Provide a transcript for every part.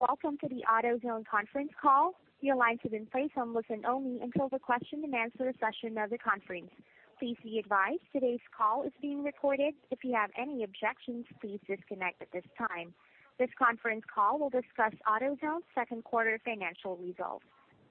Welcome to the AutoZone conference call. The lines have been placed on listen-only until the question-and-answer session of the conference. Please be advised today's call is being recorded. If you have any objections, please disconnect at this time. This conference call will discuss AutoZone's second quarter financial results.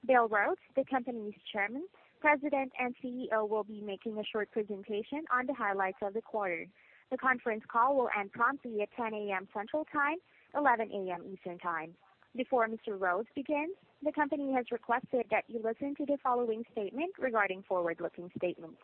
Bill Rhodes, the company's Chairman, President, and CEO, will be making a short presentation on the highlights of the quarter. The conference call will end promptly at 10:00 A.M. Central Time, 11:00 A.M. Eastern Time. Before Mr. Rhodes begins, the company has requested that you listen to the following statement regarding forward-looking statements.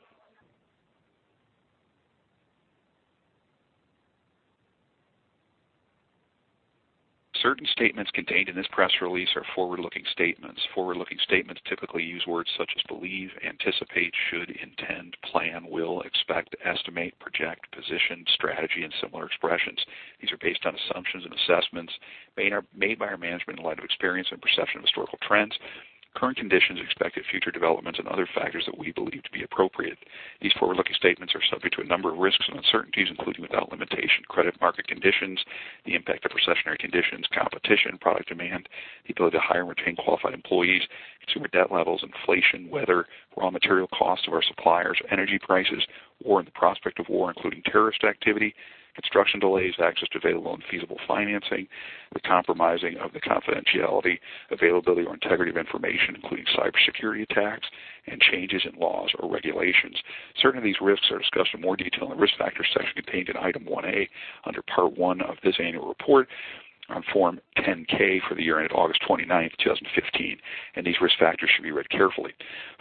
Certain statements contained in this press release are forward-looking statements. Forward-looking statements typically use words such as believe, anticipate, should, intend, plan, will, expect, estimate, project, position, strategy, and similar expressions. These are based on assumptions and assessments made by our management in light of experience and perception of historical trends, current conditions, expected future developments, and other factors that we believe to be appropriate. These forward-looking statements are subject to a number of risks and uncertainties, including, without limitation, credit market conditions, the impact of recessionary conditions, competition, product demand, the ability to hire and retain qualified employees, consumer debt levels, inflation, weather, raw material costs of our suppliers, energy prices, or the prospect of war, including terrorist activity, construction delays, access to available and feasible financing, the compromising of the confidentiality, availability, or integrity of information, including cybersecurity attacks, and changes in laws or regulations. Certain of these risks are discussed in more detail in the Risk Factors section contained in Item 1A under Part 1 of this annual report on Form 10-K for the year ended August 29th, 2015. These risk factors should be read carefully.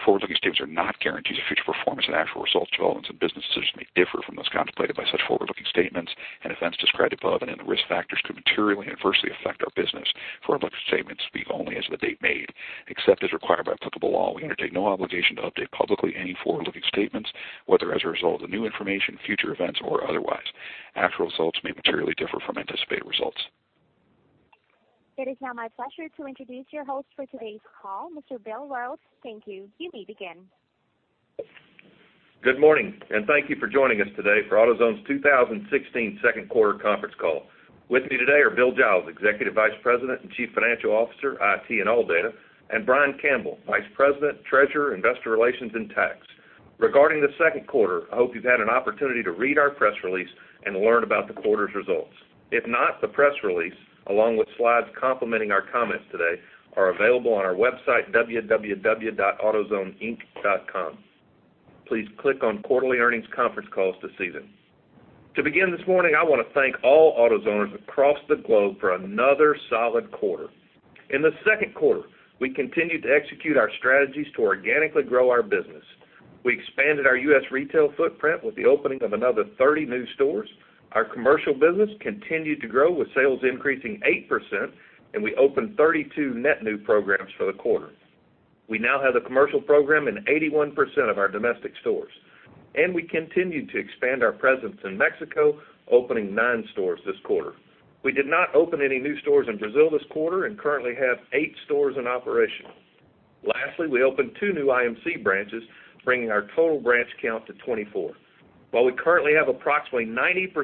Forward-looking statements are not guarantees of future performance, and actual results or developments in businesses may differ from those contemplated by such forward-looking statements. Events described above and in the risk factors could materially and adversely affect our business. Forward-looking statements speak only as of the date made. Except as required by applicable law, we undertake no obligation to update publicly any forward-looking statements, whether as a result of new information, future events, or otherwise. Actual results may materially differ from anticipated results. It is now my pleasure to introduce your host for today's call, Mr. Bill Rhodes. Thank you. You may begin. Good morning, and thank you for joining us today for AutoZone's 2016 second quarter conference call. With me today are Bill Giles, Executive Vice President and Chief Financial Officer, IT, and ALLDATA, Brian Campbell, Vice President, Treasurer, Investor Relations, and Tax. Regarding the second quarter, I hope you've had an opportunity to read our press release and learn about the quarter's results. If not, the press release, along with slides complementing our comments today, are available on our website, autozoneinc.com. Please click on Quarterly Earnings Conference Calls to see them. To begin this morning, I want to thank all AutoZoners across the globe for another solid quarter. In the second quarter, we continued to execute our strategies to organically grow our business. We expanded our U.S. retail footprint with the opening of another 30 new stores. Our commercial business continued to grow, with sales increasing 8%. We opened 32 net new programs for the quarter. We now have the commercial program in 81% of our domestic stores. We continued to expand our presence in Mexico, opening nine stores this quarter. We did not open any new stores in Brazil this quarter and currently have eight stores in operation. Lastly, we opened two new IMC branches, bringing our total branch count to 24. While we currently have approximately 90%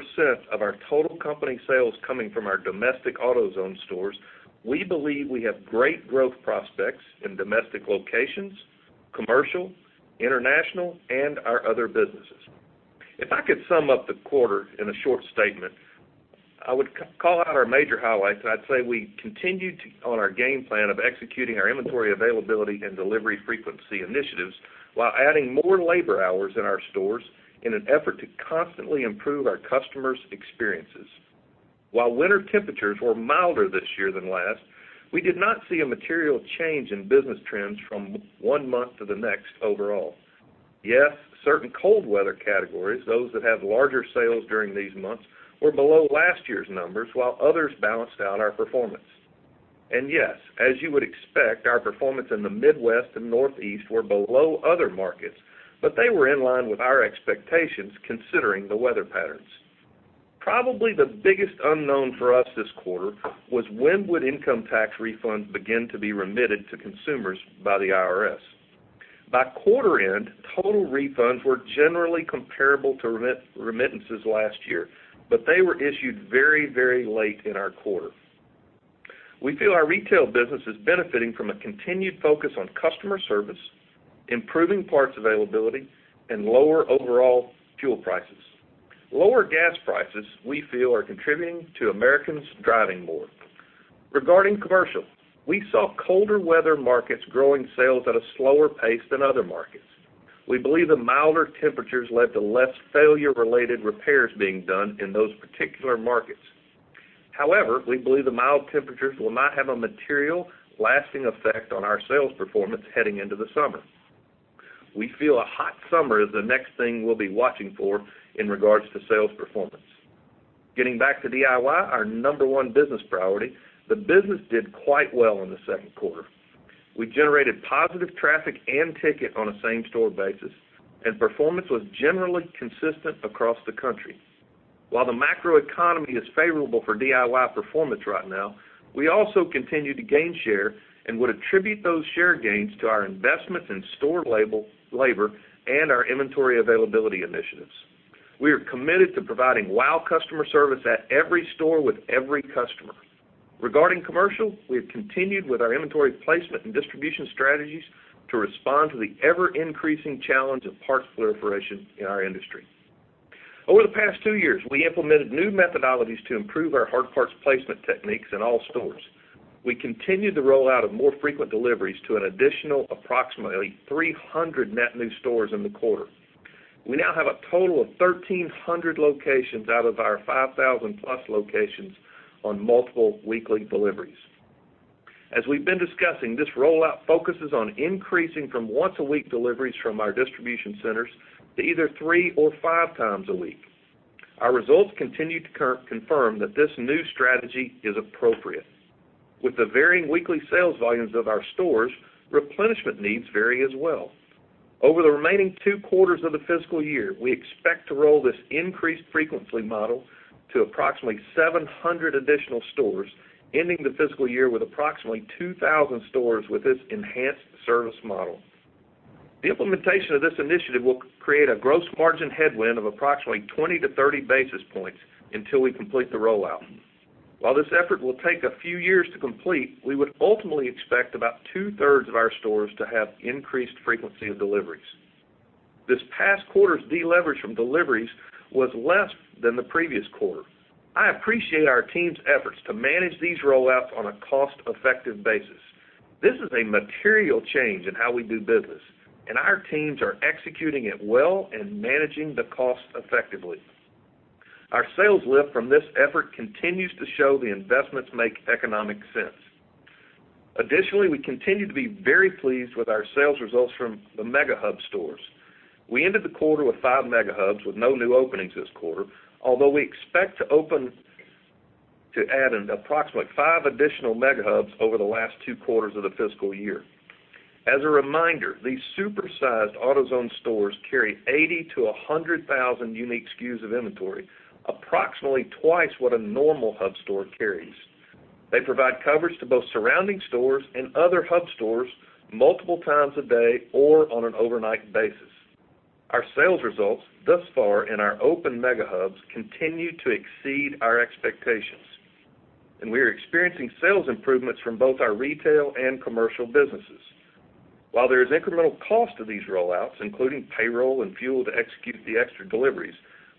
of our total company sales coming from our domestic AutoZone stores, we believe we have great growth prospects in domestic locations, commercial, international, and our other businesses. If I could sum up the quarter in a short statement, I would call out our major highlights. I'd say we continued on our game plan of executing our inventory availability and delivery frequency initiatives while adding more labor hours in our stores in an effort to constantly improve our customers' experiences. While winter temperatures were milder this year than last, we did not see a material change in business trends from one month to the next overall. Yes, certain cold weather categories, those that have larger sales during these months, were below last year's numbers, while others balanced out our performance. Yes, as you would expect, our performance in the Midwest and Northeast were below other markets, but they were in line with our expectations considering the weather patterns. Probably the biggest unknown for us this quarter was when would income tax refunds begin to be remitted to consumers by the IRS. By quarter end, total refunds were generally comparable to remittances last year. They were issued very, very late in our quarter. We feel our retail business is benefiting from a continued focus on customer service, improving parts availability, and lower overall fuel prices. Lower gas prices, we feel, are contributing to Americans driving more. Regarding commercial, we saw colder weather markets growing sales at a slower pace than other markets. We believe the milder temperatures led to less failure-related repairs being done in those particular markets. However, we believe the mild temperatures will not have a material lasting effect on our sales performance heading into the summer. We feel a hot summer is the next thing we'll be watching for in regards to sales performance. Getting back to DIY, our number one business priority, the business did quite well in the second quarter. Performance was generally consistent across the country. While the macroeconomy is favorable for DIY performance right now, we also continue to gain share and would attribute those share gains to our investments in store labor and our inventory availability initiatives. We are committed to providing wow customer service at every store with every customer. Regarding commercial, we have continued with our inventory placement and distribution strategies to respond to the ever-increasing challenge of parts proliferation in our industry. Over the past 2 years, we implemented new methodologies to improve our hard parts placement techniques in all stores. We continued the rollout of more frequent deliveries to an additional approximately 300 net new stores in the quarter. We now have a total of 1,300 locations out of our 5,000-plus locations on multiple weekly deliveries. As we've been discussing, this rollout focuses on increasing from once-a-week deliveries from our distribution centers to either three or five times a week. Our results continue to confirm that this new strategy is appropriate. With the varying weekly sales volumes of our stores, replenishment needs vary as well. Over the remaining two quarters of the fiscal year, we expect to roll this increased frequency model to approximately 700 additional stores, ending the fiscal year with approximately 2,000 stores with this enhanced service model. The implementation of this initiative will create a gross margin headwind of approximately 20 to 30 basis points until we complete the rollout. While this effort will take a few years to complete, we would ultimately expect about two-thirds of our stores to have increased frequency of deliveries. This past quarter's deleverage from deliveries was less than the previous quarter. I appreciate our team's efforts to manage these rollouts on a cost-effective basis. This is a material change in how we do business, and our teams are executing it well and managing the cost effectively. Our sales lift from this effort continues to show the investments make economic sense. Additionally, we continue to be very pleased with our sales results from the Mega Hub stores. We ended the quarter with 5 Mega Hubs with no new openings this quarter, although we expect to add approximately 5 additional Mega Hubs over the last two quarters of the fiscal year. As a reminder, these super-sized AutoZone stores carry 80,000 to 100,000 unique SKUs of inventory, approximately twice what a normal Hub store carries. They provide coverage to both surrounding stores and other Hub stores multiple times a day or on an overnight basis. Our sales results thus far in our open Mega Hubs continue to exceed our expectations, and we are experiencing sales improvements from both our retail and commercial businesses. While there is incremental cost to these rollouts, including payroll and fuel to execute the extra deliveries,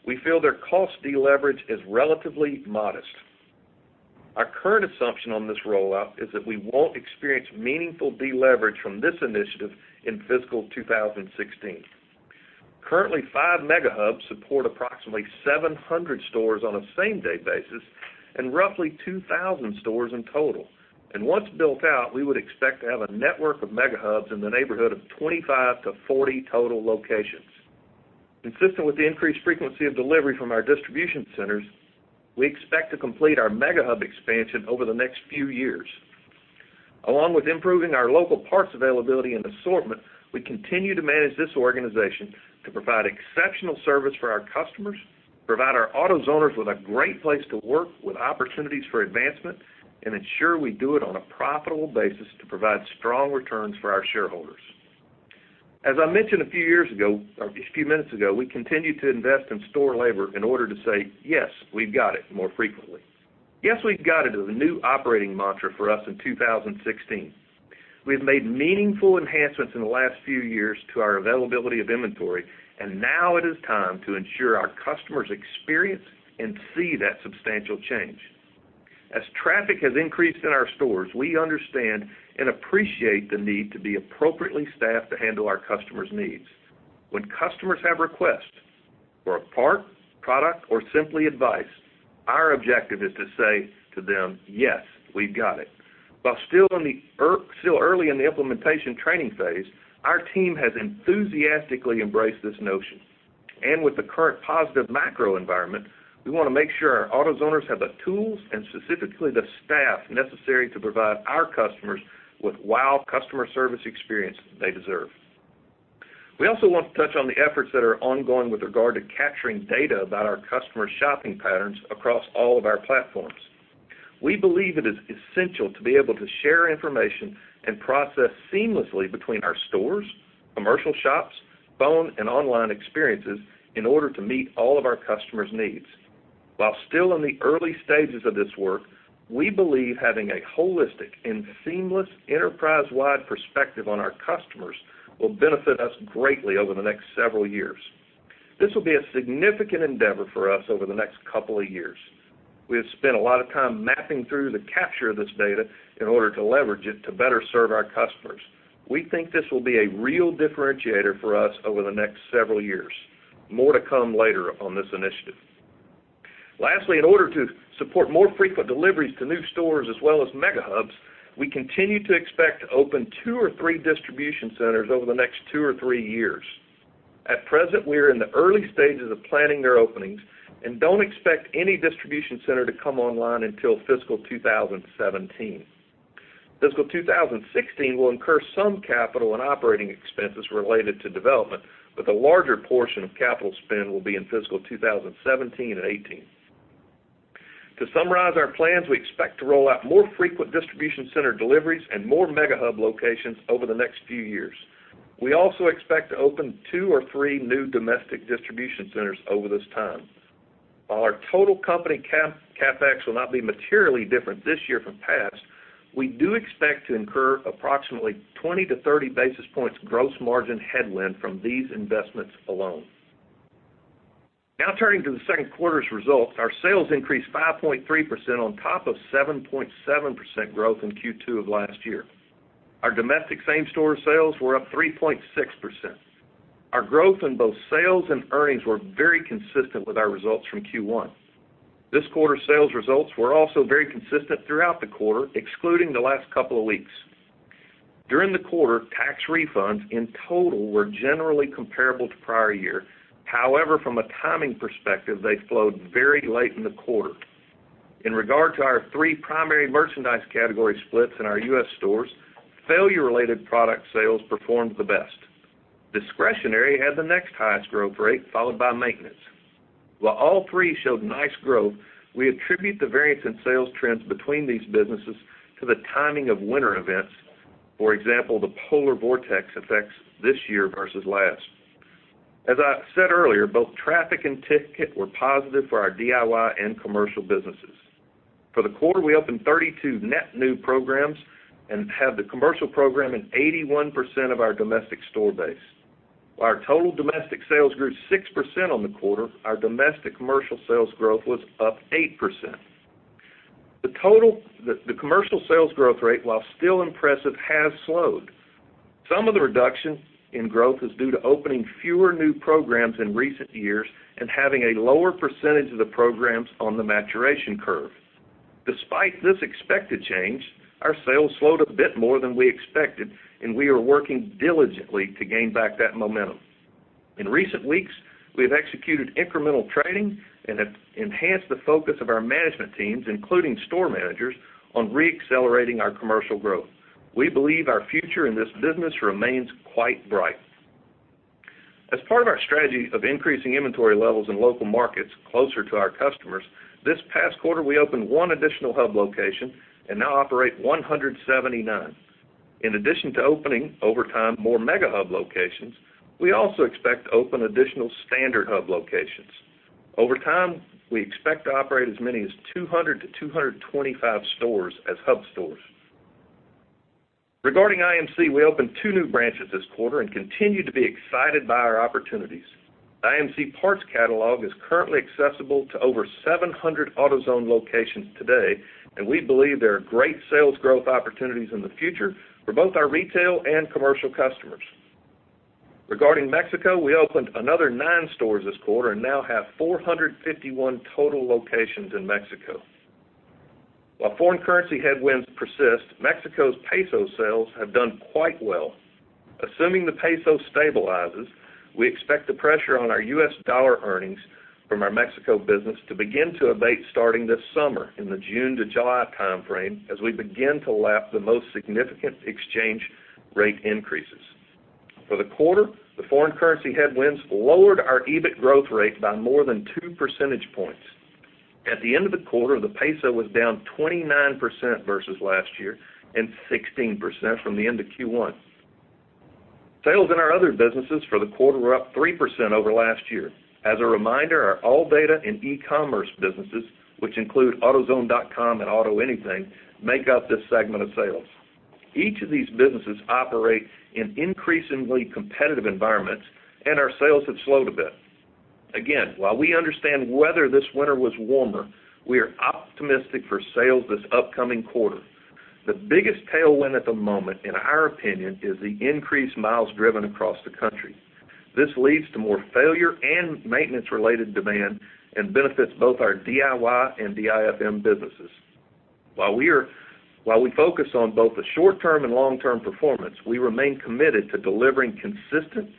we feel their cost deleverage is relatively modest. Our current assumption on this rollout is that we won't experience meaningful deleverage from this initiative in fiscal 2016. Currently, 5 Mega Hubs support approximately 700 stores on a same-day basis and roughly 2,000 stores in total. Once built out, we would expect to have a network of Mega Hubs in the neighborhood of 25 to 40 total locations. Consistent with the increased frequency of delivery from our distribution centers, we expect to complete our Mega Hub expansion over the next few years. Along with improving our local parts availability and assortment, we continue to manage this organization to provide exceptional service for our customers, provide our AutoZoners with a great place to work with opportunities for advancement, and ensure we do it on a profitable basis to provide strong returns for our shareholders. As I mentioned a few minutes ago, we continue to invest in store labor in order to say, "Yes, we've got it," more frequently. Yes, we've got it is the new operating mantra for us in 2016. We have made meaningful enhancements in the last few years to our availability of inventory, and now it is time to ensure our customers experience and see that substantial change. As traffic has increased in our stores, we understand and appreciate the need to be appropriately staffed to handle our customers' needs. When customers have requests for a part, product, or simply advice, our objective is to say to them, "Yes, we've got it." While still early in the implementation training phase, our team has enthusiastically embraced this notion. With the current positive macro environment, we want to make sure our AutoZoners have the tools and specifically the staff necessary to provide our customers with wow customer service experience they deserve. We also want to touch on the efforts that are ongoing with regard to capturing data about our customers' shopping patterns across all of our platforms. We believe it is essential to be able to share information and process seamlessly between our stores, commercial shops, phone, and online experiences in order to meet all of our customers' needs. While still in the early stages of this work, we believe having a holistic and seamless enterprise-wide perspective on our customers will benefit us greatly over the next several years. This will be a significant endeavor for us over the next couple of years. We have spent a lot of time mapping through the capture of this data in order to leverage it to better serve our customers. We think this will be a real differentiator for us over the next several years. More to come later on this initiative. Lastly, in order to support more frequent deliveries to new stores as well as Mega Hubs, we continue to expect to open two or three distribution centers over the next two or three years. At present, we are in the early stages of planning their openings and don't expect any distribution center to come online until fiscal 2017. Fiscal 2016 will incur some capital and operating expenses related to development, but the larger portion of capital spend will be in fiscal 2017 and 2018. To summarize our plans, we expect to roll out more frequent distribution center deliveries and more Mega Hub locations over the next few years. We also expect to open two or three new domestic distribution centers over this time. While our total company CapEx will not be materially different this year from past, we do expect to incur approximately 20-30 basis points gross margin headwind from these investments alone. Now turning to the second quarter's results. Our sales increased 5.3% on top of 7.7% growth in Q2 of last year. Our domestic same-store sales were up 3.6%. Our growth in both sales and earnings were very consistent with our results from Q1. This quarter sales results were also very consistent throughout the quarter, excluding the last couple of weeks. During the quarter, tax refunds in total were generally comparable to prior year. However, from a timing perspective, they flowed very late in the quarter. In regard to our three primary merchandise category splits in our U.S. stores, failure-related product sales performed the best. Discretionary had the next highest growth rate, followed by maintenance. While all three showed nice growth, we attribute the variance in sales trends between these businesses to the timing of winter events. For example, the polar vortex effects this year versus last. As I said earlier, both traffic and ticket were positive for our DIY and commercial businesses. For the quarter, we opened 32 net new programs and have the commercial program in 81% of our domestic store base. While our total domestic sales grew 6% on the quarter, our domestic commercial sales growth was up 8%. The commercial sales growth rate, while still impressive, has slowed. Some of the reduction in growth is due to opening fewer new programs in recent years and having a lower percentage of the programs on the maturation curve. Despite this expected change, our sales slowed a bit more than we expected, and we are working diligently to gain back that momentum. In recent weeks, we have executed incremental training and have enhanced the focus of our management teams, including store managers, on re-accelerating our commercial growth. We believe our future in this business remains quite bright. As part of our strategy of increasing inventory levels in local markets closer to our customers, this past quarter, we opened one additional Hub location and now operate 179. In addition to opening, over time, more Mega Hub locations, we also expect to open additional standard Hub locations. Over time, we expect to operate as many as 200 to 225 stores as Hub stores. Regarding IMC, we opened two new branches this quarter and continue to be excited by our opportunities. IMC parts catalog is currently accessible to over 700 AutoZone locations today, and we believe there are great sales growth opportunities in the future for both our retail and commercial customers. Regarding Mexico, we opened another nine stores this quarter and now have 451 total locations in Mexico. While foreign currency headwinds persist, Mexico's peso sales have done quite well. Assuming the peso stabilizes, we expect the pressure on our U.S. dollar earnings from our Mexico business to begin to abate starting this summer in the June to July timeframe as we begin to lap the most significant exchange rate increases. For the quarter, the foreign currency headwinds lowered our EBIT growth rate by more than two percentage points. At the end of the quarter, the peso was down 29% versus last year and 16% from the end of Q1. Sales in our other businesses for the quarter were up 3% over last year. As a reminder, our ALLDATA and e-commerce businesses, which include autozone.com and AutoAnything, make up this segment of sales. Each of these businesses operate in increasingly competitive environments, and our sales have slowed a bit. Again, while we understand weather this winter was warmer, we are optimistic for sales this upcoming quarter. The biggest tailwind at the moment, in our opinion, is the increased miles driven across the country. This leads to more failure and maintenance-related demand and benefits both our DIY and DIFM businesses. While we focus on both the short-term and long-term performance, we remain committed to delivering consistent,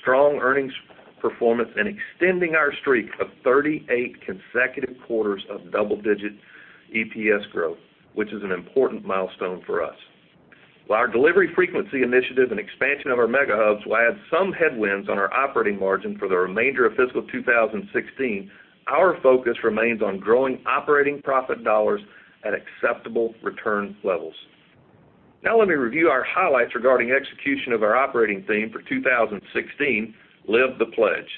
strong earnings performance and extending our streak of 38 consecutive quarters of double-digit EPS growth, which is an important milestone for us. While our delivery frequency initiative and expansion of our Mega Hubs will add some headwinds on our operating margin for the remainder of fiscal 2016, our focus remains on growing operating profit dollars at acceptable return levels. Let me review our highlights regarding execution of our operating theme for 2016, Live the Pledge.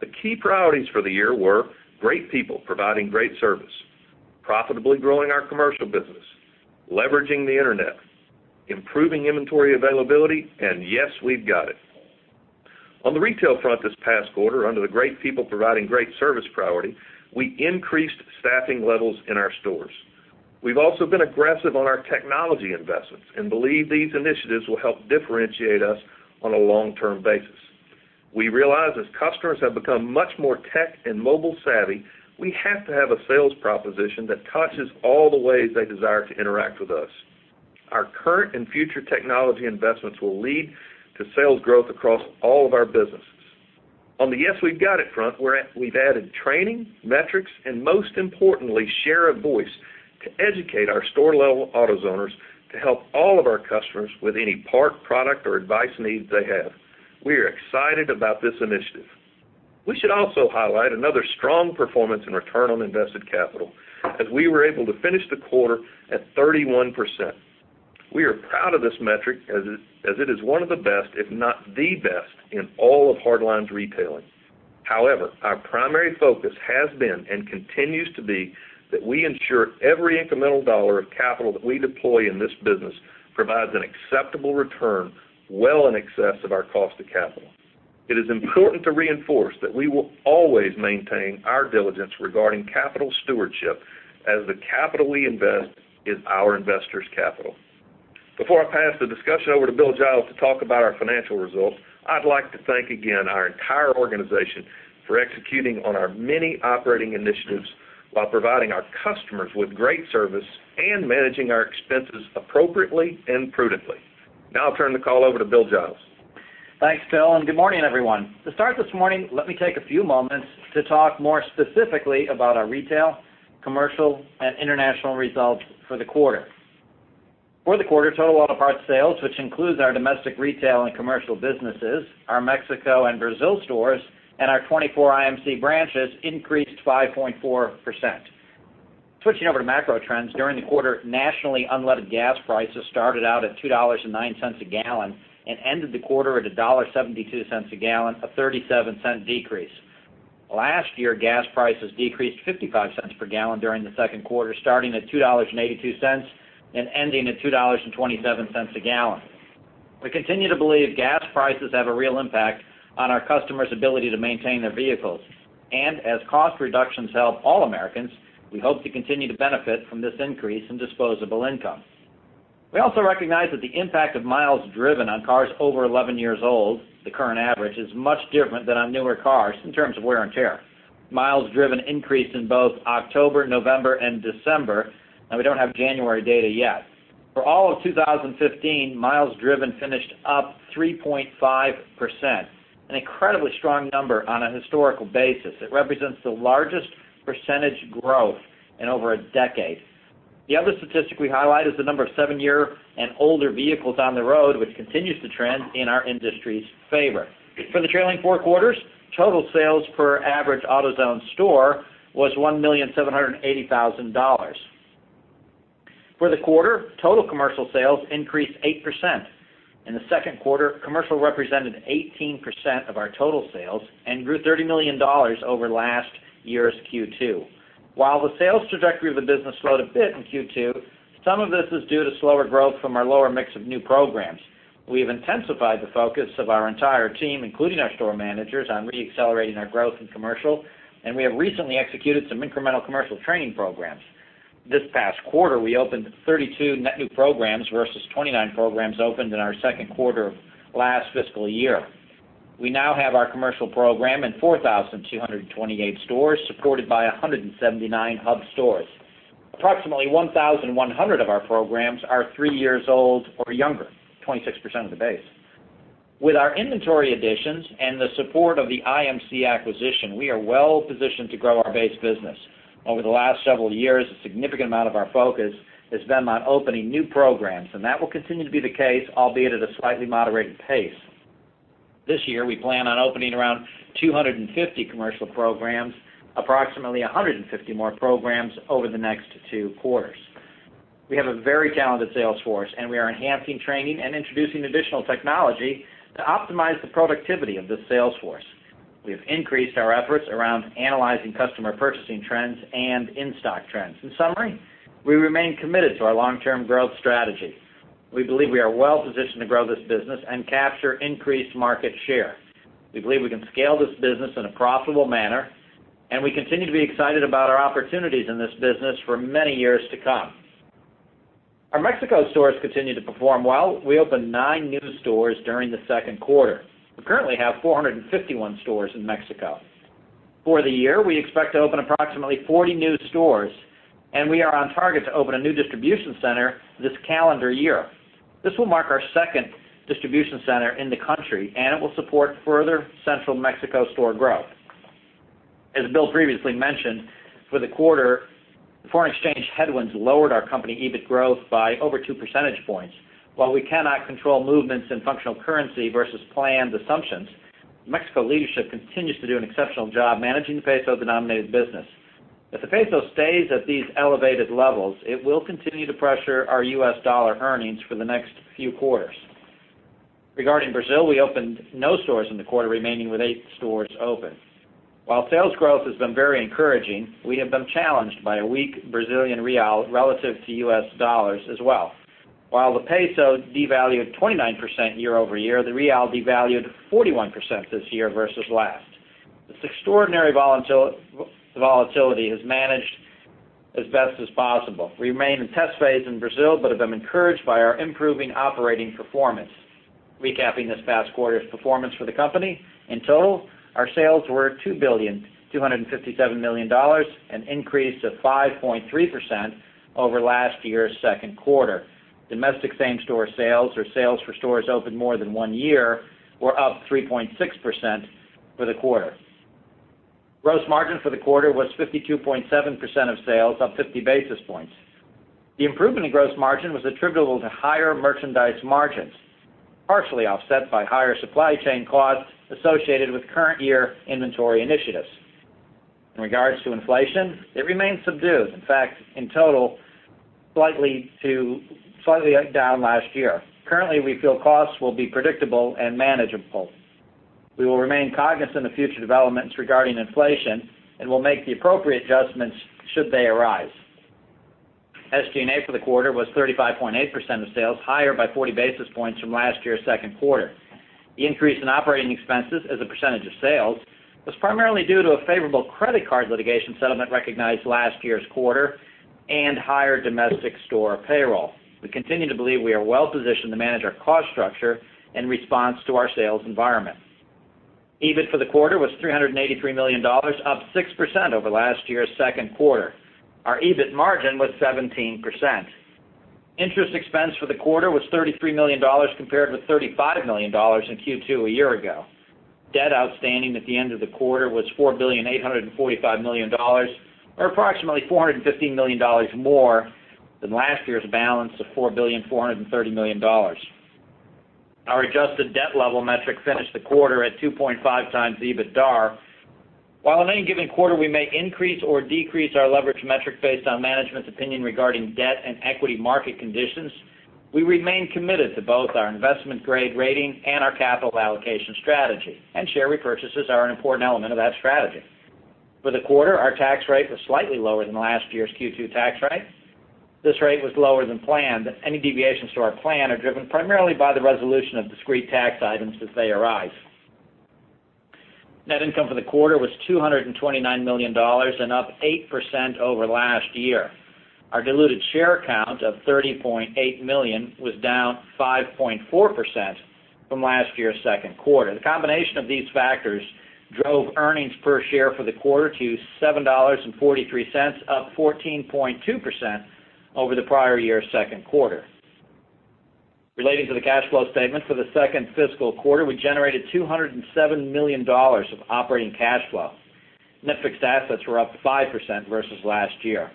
The key priorities for the year were Great People Providing Great Service, profitably growing our commercial business, leveraging the internet, improving inventory availability, and Yes, we've got it. On the retail front this past quarter, under the Great People Providing Great Service priority, we increased staffing levels in our stores. We've also been aggressive on our technology investments and believe these initiatives will help differentiate us on a long-term basis. We realize as customers have become much more tech and mobile savvy, we have to have a sales proposition that touches all the ways they desire to interact with us. Our current and future technology investments will lead to sales growth across all of our businesses. On the Yes, we've got it front, we've added training, metrics, and most importantly, share of voice educate our store-level AutoZoners to help all of our customers with any part, product, or advice needs they have. We are excited about this initiative. We should also highlight another strong performance in return on invested capital, as we were able to finish the quarter at 31%. We are proud of this metric as it is one of the best, if not the best, in all of hardlines retailing. However, our primary focus has been and continues to be that we ensure every incremental dollar of capital that we deploy in this business provides an acceptable return well in excess of our cost of capital. It is important to reinforce that we will always maintain our diligence regarding capital stewardship, as the capital we invest is our investors' capital. Before I pass the discussion over to Bill Giles to talk about our financial results, I'd like to thank again our entire organization for executing on our many operating initiatives while providing our customers with great service and managing our expenses appropriately and prudently. I'll turn the call over to Bill Giles. Thanks, Bill, good morning, everyone. To start this morning, let me take a few moments to talk more specifically about our retail, commercial, and international results for the quarter. For the quarter, total auto parts sales, which includes our domestic retail and commercial businesses, our Mexico and Brazil stores, and our 24 IMC branches, increased 5.4%. Switching over to macro trends, during the quarter, nationally, unleaded gas prices started out at $2.09 a gallon and ended the quarter at $1.72 a gallon, a $0.37 decrease. Last year, gas prices decreased $0.55 per gallon during the second quarter, starting at $2.82 and ending at $2.27 a gallon. We continue to believe gas prices have a real impact on our customers' ability to maintain their vehicles. As cost reductions help all Americans, we hope to continue to benefit from this increase in disposable income. We also recognize that the impact of miles driven on cars over 11 years old, the current average, is much different than on newer cars in terms of wear and tear. Miles driven increased in both October, November, and December, we don't have January data yet. For all of 2015, miles driven finished up 3.5%, an incredibly strong number on a historical basis. It represents the largest percentage growth in over a decade. The other statistic we highlight is the number of seven-year and older vehicles on the road, which continues to trend in our industry's favor. For the trailing four quarters, total sales per average AutoZone store was $1,780,000. For the quarter, total commercial sales increased 8%. In the second quarter, commercial represented 18% of our total sales and grew $30 million over last year's Q2. While the sales trajectory of the business slowed a bit in Q2, some of this is due to slower growth from our lower mix of new programs. We've intensified the focus of our entire team, including our store managers, on re-accelerating our growth in commercial, we have recently executed some incremental commercial training programs. This past quarter, we opened 32 net new programs versus 29 programs opened in our second quarter of last fiscal year. We now have our commercial program in 4,228 stores, supported by 179 Hub stores. Approximately 1,100 of our programs are three years old or younger, 26% of the base. With our inventory additions and the support of the IMC acquisition, we are well-positioned to grow our base business. Over the last several years, a significant amount of our focus has been on opening new programs, that will continue to be the case, albeit at a slightly moderated pace. This year, we plan on opening around 250 commercial programs, approximately 150 more programs over the next two quarters. We have a very talented sales force, we are enhancing training and introducing additional technology to optimize the productivity of this sales force. We have increased our efforts around analyzing customer purchasing trends and in-stock trends. In summary, we remain committed to our long-term growth strategy. We believe we are well-positioned to grow this business and capture increased market share. We believe we can scale this business in a profitable manner, we continue to be excited about our opportunities in this business for many years to come. Our Mexico stores continue to perform well. We opened nine new stores during the second quarter. We currently have 451 stores in Mexico. For the year, we expect to open approximately 40 new stores, and we are on target to open a new distribution center this calendar year. This will mark our second distribution center in the country, and it will support further central Mexico store growth. As Bill previously mentioned, for the quarter, foreign exchange headwinds lowered our company EBIT growth by over two percentage points. While we cannot control movements in functional currency versus planned assumptions, Mexico leadership continues to do an exceptional job managing the peso-denominated business. If the peso stays at these elevated levels, it will continue to pressure our U.S. dollar earnings for the next few quarters. Regarding Brazil, we opened no stores in the quarter, remaining with eight stores open. While sales growth has been very encouraging, we have been challenged by a weak Brazilian real relative to U.S. dollars as well. While the peso devalued 29% year-over-year, the real devalued 41% this year versus last. This extraordinary volatility has managed as best as possible. We remain in test phase in Brazil but have been encouraged by our improving operating performance. Recapping this past quarter's performance for the company, in total, our sales were $2,257 million, an increase of 5.3% over last year's second quarter. Domestic same-store sales or sales for stores open more than one year were up 3.6% for the quarter. Gross margin for the quarter was 52.7% of sales, up 50 basis points. The improvement in gross margin was attributable to higher merchandise margins, partially offset by higher supply chain costs associated with current year inventory initiatives. In regards to inflation, it remains subdued. In fact, in total, slightly down last year. Currently, we feel costs will be predictable and manageable. We will remain cognizant of future developments regarding inflation, and we'll make the appropriate adjustments should they arise. SG&A for the quarter was 35.8% of sales, higher by 40 basis points from last year's second quarter. The increase in operating expenses as a percentage of sales was primarily due to a favorable credit card litigation settlement recognized last year's quarter and higher domestic store payroll. We continue to believe we are well-positioned to manage our cost structure in response to our sales environment. EBIT for the quarter was $383 million, up 6% over last year's second quarter. Our EBIT margin was 17%. Interest expense for the quarter was $33 million, compared with $35 million in Q2 a year ago. Debt outstanding at the end of the quarter was $4,845,000,000, or approximately $415 million more than last year's balance of $4,430,000,000. Our adjusted debt level metric finished the quarter at 2.5 times EBITDAR. While in any given quarter we may increase or decrease our leverage metric based on management's opinion regarding debt and equity market conditions, we remain committed to both our investment-grade rating and our capital allocation strategy, and share repurchases are an important element of that strategy. For the quarter, our tax rate was slightly lower than last year's Q2 tax rate. This rate was lower than planned, but any deviations to our plan are driven primarily by the resolution of discrete tax items as they arise. Net income for the quarter was $229 million and up 8% over last year. Our diluted share count of 30.8 million was down 5.4% from last year's second quarter. The combination of these factors drove earnings per share for the quarter to $7.43, up 14.2% over the prior year's second quarter. Relating to the cash flow statement for the second fiscal quarter, we generated $207 million of operating cash flow. Net fixed assets were up 5% versus last year.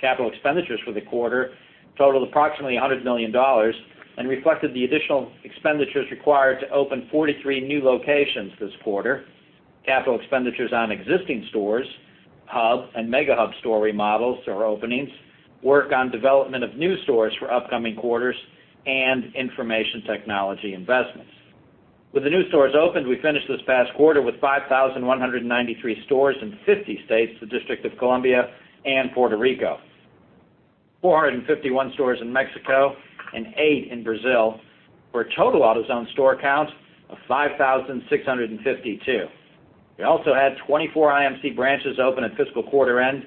Capital expenditures for the quarter totaled approximately $100 million and reflected the additional expenditures required to open 43 new locations this quarter. Capital expenditures on existing stores, hub and Mega Hub store remodels or openings, work on development of new stores for upcoming quarters, and information technology investments. With the new stores opened, we finished this past quarter with 5,193 stores in 50 states, the District of Columbia and Puerto Rico, 451 stores in Mexico, and 8 in Brazil, for a total AutoZone store count of 5,652. We also had 24 IMC branches open at fiscal quarter-end,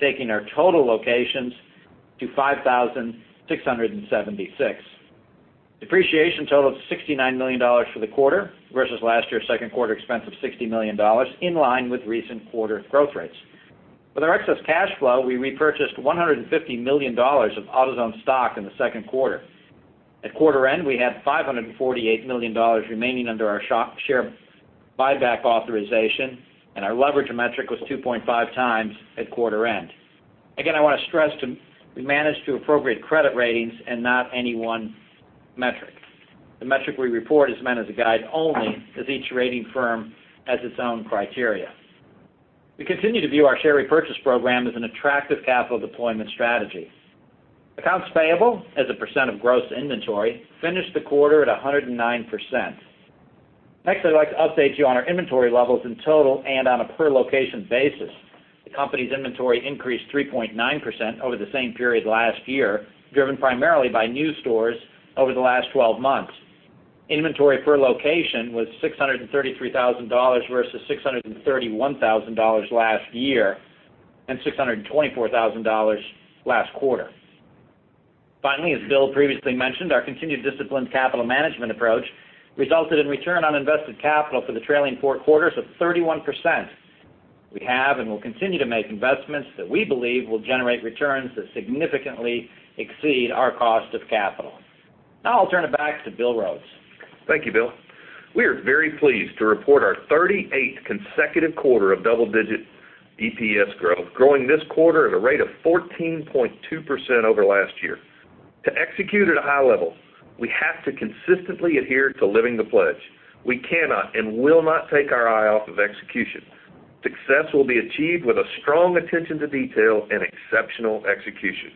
taking our total locations to 5,676. Depreciation totaled $69 million for the quarter versus last year's second quarter expense of $60 million, in line with recent quarter growth rates. With our excess cash flow, we repurchased $150 million of AutoZone stock in the second quarter. At quarter-end, we had $548 million remaining under our share buyback authorization, and our leverage metric was 2.5 times at quarter-end. Again, I want to stress we manage to appropriate credit ratings and not any one metric. The metric we report is meant as a guide only, as each rating firm has its own criteria. We continue to view our share repurchase program as an attractive capital deployment strategy. Accounts payable as a percent of gross inventory finished the quarter at 109%. Next, I'd like to update you on our inventory levels in total and on a per location basis. The company's inventory increased 3.9% over the same period last year, driven primarily by new stores over the last 12 months. Inventory per location was $633,000 versus $631,000 last year and $624,000 last quarter. Finally, as Bill previously mentioned, our continued disciplined capital management approach resulted in return on invested capital for the trailing four quarters of 31%. We have and will continue to make investments that we believe will generate returns that significantly exceed our cost of capital. Now I'll turn it back to Bill Rhodes. Thank you, Bill. We are very pleased to report our 38th consecutive quarter of double-digit EPS growth, growing this quarter at a rate of 14.2% over last year. To execute at a high level, we have to consistently adhere to Live the Pledge. We cannot and will not take our eye off of execution. Success will be achieved with a strong attention to detail and exceptional execution.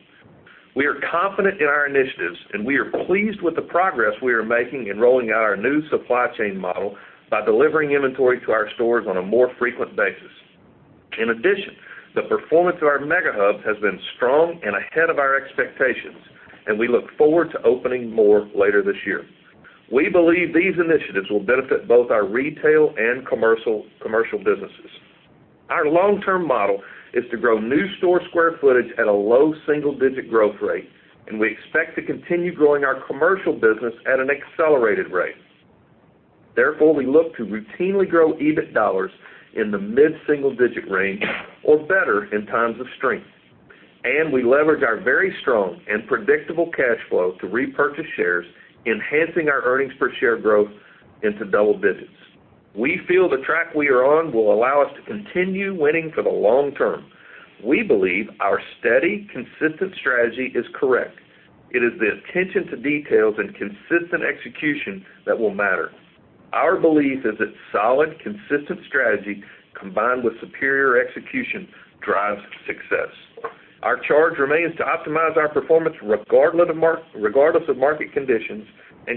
We are confident in our initiatives, and we are pleased with the progress we are making in rolling out our new supply chain model by delivering inventory to our stores on a more frequent basis. In addition, the performance of our Mega Hubs has been strong and ahead of our expectations, and we look forward to opening more later this year. We believe these initiatives will benefit both our retail and commercial businesses. Our long-term model is to grow new store square footage at a low single-digit growth rate, and we expect to continue growing our commercial business at an accelerated rate. Therefore, we look to routinely grow EBIT dollars in the mid-single digit range or better in times of strength. We leverage our very strong and predictable cash flow to repurchase shares, enhancing our earnings per share growth into double digits. We feel the track we are on will allow us to continue winning for the long term. We believe our steady, consistent strategy is correct. It is the attention to details and consistent execution that will matter. Our belief is that solid, consistent strategy combined with superior execution drives success. Our charge remains to optimize our performance regardless of market conditions,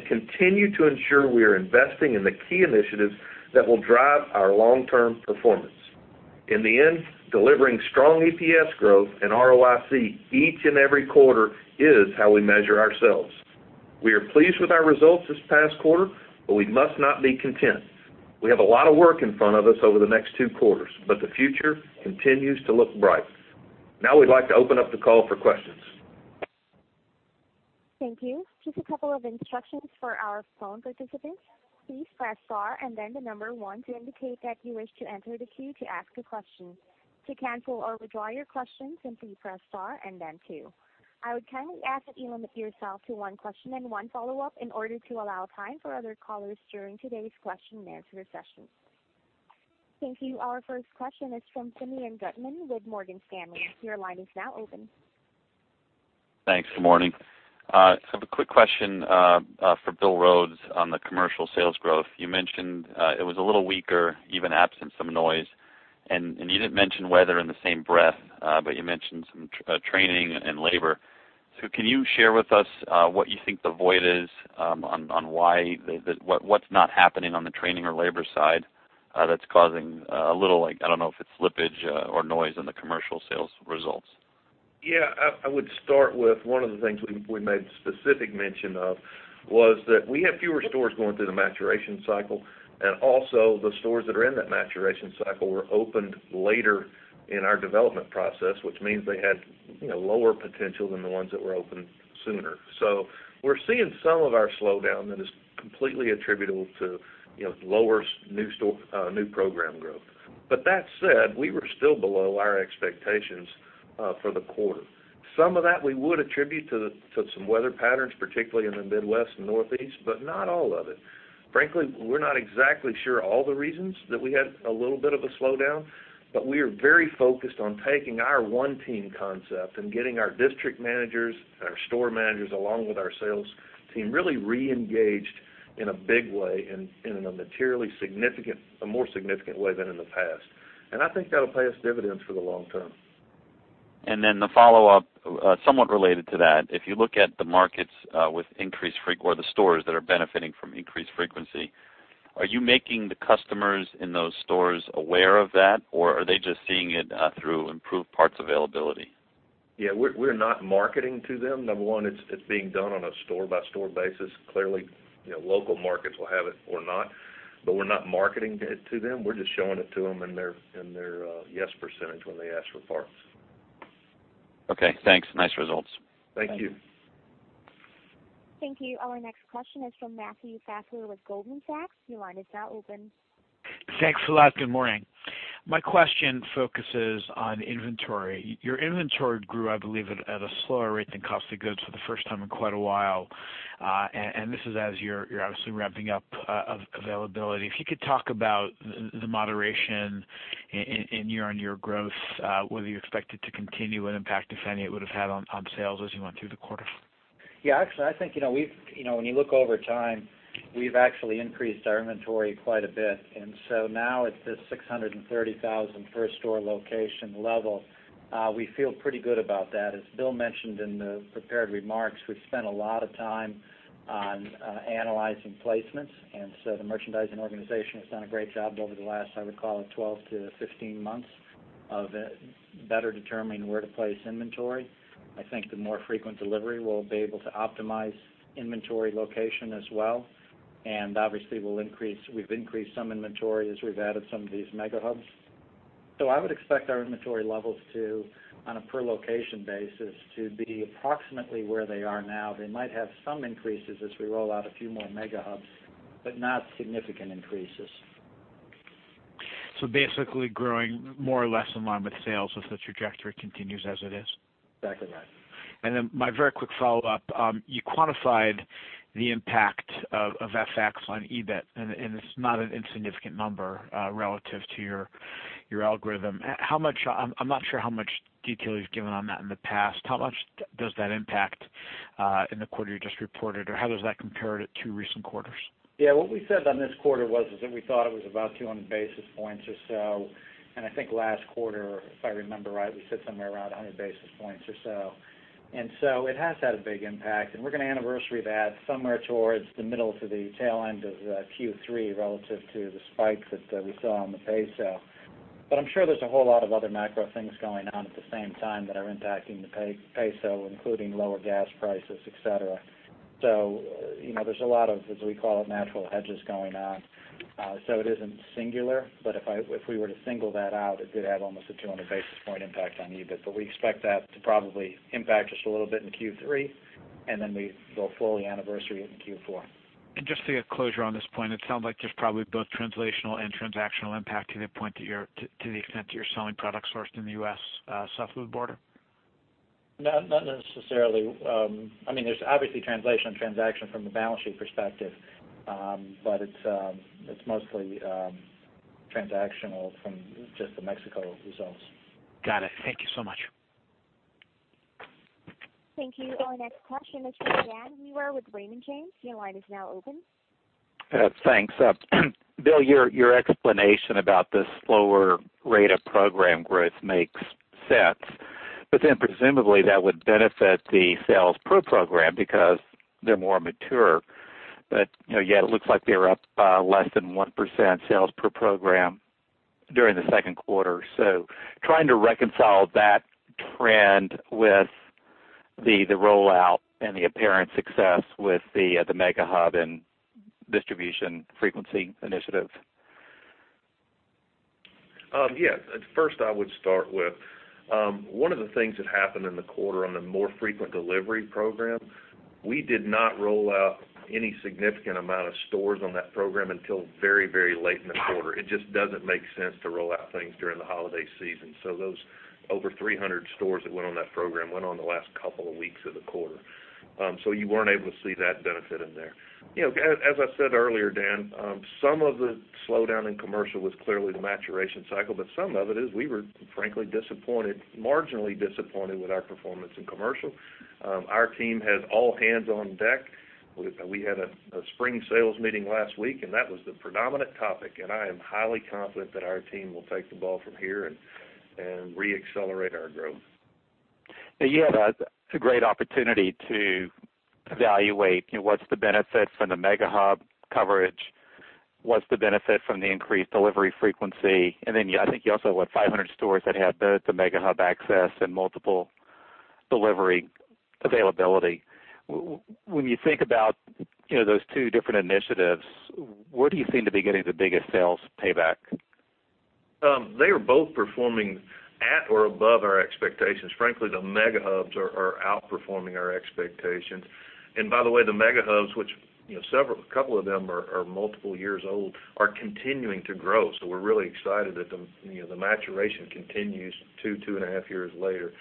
continue to ensure we are investing in the key initiatives that will drive our long-term performance. In the end, delivering strong EPS growth and ROIC each and every quarter is how we measure ourselves. We are pleased with our results this past quarter, we must not be content. We have a lot of work in front of us over the next two quarters, the future continues to look bright. We'd like to open up the call for questions. Thank you. Just a couple of instructions for our phone participants. Please press star and then the number one to indicate that you wish to enter the queue to ask a question. To cancel or withdraw your question, simply press star and then two. I would kindly ask that you limit yourself to one question and one follow-up in order to allow time for other callers during today's question and answer session. Thank you. Our first question is from Simeon Gutman with Morgan Stanley. Your line is now open. Thanks. Good morning. I have a quick question for Bill Rhodes on the commercial sales growth. You mentioned it was a little weaker, even absent some noise. You didn't mention weather in the same breath, you mentioned some training and labor. Can you share with us what you think the void is on what's not happening on the training or labor side that's causing a little, I don't know if it's slippage or noise in the commercial sales results? Yeah, I would start with one of the things we made specific mention of was that we have fewer stores going through the maturation cycle, and also the stores that are in that maturation cycle were opened later in our development process, which means they had lower potential than the ones that were opened sooner. We're seeing some of our slowdown that is completely attributable to lower new program growth. That said, we were still below our expectations for the quarter. Some of that we would attribute to some weather patterns, particularly in the Midwest and Northeast, but not all of it. Frankly, we're not exactly sure all the reasons that we had a little bit of a slowdown, but we are very focused on taking our One Team concept and getting our district managers and our store managers, along with our sales team, really reengaged in a big way and in a materially more significant way than in the past. I think that'll pay us dividends for the long term. The follow-up, somewhat related to that, if you look at the stores that are benefiting from increased frequency, are you making the customers in those stores aware of that, or are they just seeing it through improved parts availability? Yeah, we're not marketing to them. Number one, it's being done on a store-by-store basis. Clearly, local markets will have it or not, but we're not marketing it to them. We're just showing it to them in their yes percentage when they ask for parts. Okay, thanks. Nice results. Thank you. Thank you. Our next question is from Matthew Fassler with Goldman Sachs. Your line is now open. Thanks a lot. Good morning. My question focuses on inventory. Your inventory grew, I believe, at a slower rate than cost of goods for the first time in quite a while. This is as you're obviously ramping up availability. If you could talk about the moderation in year-on-year growth, whether you expect it to continue and impact, if any, it would have had on sales as you went through the quarter. Yeah, actually, I think when you look over time, we've actually increased our inventory quite a bit. Now it's this 630,000 per store location level. We feel pretty good about that. As Bill mentioned in the prepared remarks, we've spent a lot of time on analyzing placements, the merchandising organization has done a great job over the last, I would call it 12 to 15 months, of better determining where to place inventory. I think the more frequent delivery, we'll be able to optimize inventory location as well. Obviously, we've increased some inventory as we've added some of these Mega Hubs. I would expect our inventory levels to, on a per location basis, to be approximately where they are now. They might have some increases as we roll out a few more Mega Hubs, but not significant increases. Basically growing more or less in line with sales as the trajectory continues as it is. Exactly right. My very quick follow-up. You quantified the impact of FX on EBIT, it's not an insignificant number relative to your algorithm. I'm not sure how much detail you've given on that in the past. How much does that impact in the quarter you just reported, or how does that compare to recent quarters? Yeah, what we said on this quarter was is that we thought it was about 200 basis points or so. I think last quarter, if I remember right, we said somewhere around 100 basis points or so. It has had a big impact, and we're going to anniversary that somewhere towards the middle to the tail end of Q3 relative to the spike that we saw on the peso. I'm sure there's a whole lot of other macro things going on at the same time that are impacting the peso, including lower gas prices, et cetera. There's a lot of, as we call it, natural hedges going on. It isn't singular, but if we were to single that out, it did have almost a 200 basis point impact on EBIT. We expect that to probably impact just a little bit in Q3, and then we will fully anniversary it in Q4. Just to get closure on this point, it sounds like there's probably both translational and transactional impact to the extent that you're selling products sourced in the U.S. south of the border. Not necessarily. There's obviously translation transaction from a balance sheet perspective, but it's mostly transactional from just the Mexico results. Got it. Thank you so much. Thank you. Our next question is from Dan Wewer with Raymond James. Your line is now open. Thanks. Bill, your explanation about the slower rate of program growth makes sense, presumably that would benefit the sales per program because they're more mature. It looks like they're up less than 1% sales per program during the second quarter. Trying to reconcile that trend with the rollout and the apparent success with the Mega Hub and Distribution Frequency Initiative. Yes. First I would start with one of the things that happened in the quarter on the More Frequent Delivery Program, we did not roll out any significant amount of stores on that program until very late in the quarter. It just doesn't make sense to roll out things during the holiday season. Those over 300 stores that went on that program went on the last couple of weeks of the quarter. You weren't able to see that benefit in there. As I said earlier, Dan, some of the slowdown in commercial was clearly the maturation cycle, but some of it is we were frankly disappointed, marginally disappointed with our performance in commercial. Our team has all hands on deck. We had a spring sales meeting last week, that was the predominant topic, I am highly confident that our team will take the ball from here and re-accelerate our growth. You had a great opportunity to evaluate what's the benefit from the Mega Hub coverage, what's the benefit from the increased delivery frequency, I think you also have 500 stores that have both the Mega Hub access and multiple delivery availability. When you think about those two different initiatives, where do you seem to be getting the biggest sales payback? They are both performing at or above our expectations. Frankly, the Mega Hubs are outperforming our expectations. By the way, the Mega Hubs, which a couple of them are multiple years old, are continuing to grow. We're really excited that the maturation continues two and a half years later.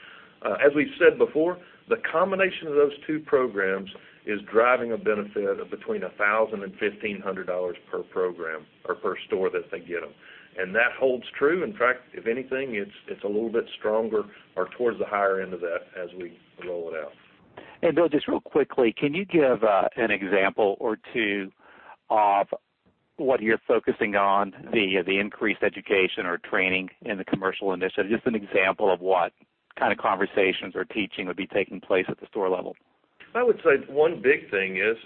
As we've said before, the combination of those two programs is driving a benefit of between $1,000 and $1,500 per program or per store that they get them. That holds true. In fact, if anything, it's a little bit stronger or towards the higher end of that as we roll it out. Bill, just real quickly, can you give an example or two of what you're focusing on the increased education or training in the commercial initiative? Just an example of what kind of conversations or teaching would be taking place at the store level. I would say one big thing is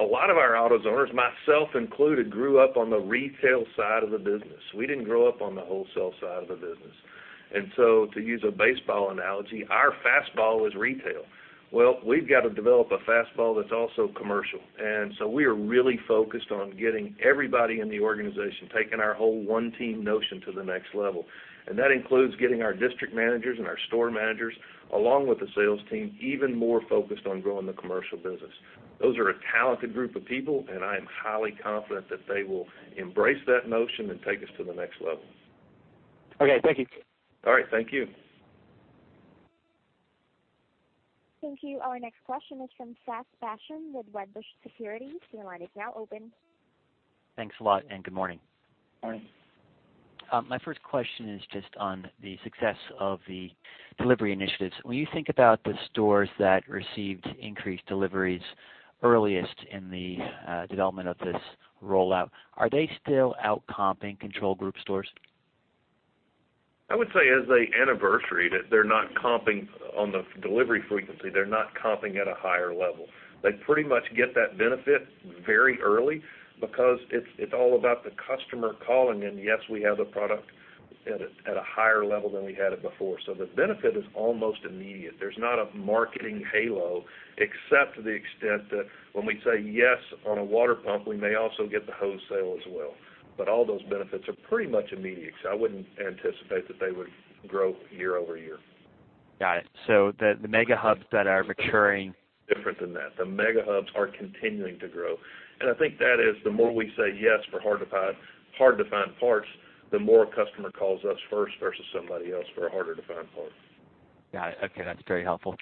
a lot of our AutoZoners, myself included, grew up on the retail side of the business. We didn't grow up on the wholesale side of the business. To use a baseball analogy, our fastball is retail. Well, we've got to develop a fastball that's also commercial. We are really focused on getting everybody in the organization, taking our whole One Team notion to the next level. That includes getting our district managers and our store managers, along with the sales team, even more focused on growing the commercial business. Those are a talented group of people, and I am highly confident that they will embrace that notion and take us to the next level. Okay. Thank you. All right. Thank you. Thank you. Our next question is from Zachary Fadem with Wedbush Securities. Your line is now open. Thanks a lot, good morning. Morning. My first question is just on the success of the delivery initiatives. When you think about the stores that received increased deliveries earliest in the development of this rollout, are they still out comping control group stores? I would say as they anniversary, on the delivery frequency, they're not comping at a higher level. They pretty much get that benefit very early because it's all about the customer calling in. Yes, we have the product at a higher level than we had it before. The benefit is almost immediate. There's not a marketing halo except to the extent that when we say yes on a water pump, we may also get the hose sale as well. All those benefits are pretty much immediate, I wouldn't anticipate that they would grow year-over-year. Got it. The Mega Hubs that are maturing. Different than that. The Mega Hubs are continuing to grow. I think that is the more we say yes for hard to find parts, the more a customer calls us first versus somebody else for a harder to find part. Got it. Okay. That's very helpful.